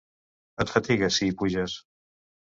Et fatigues si hi puges.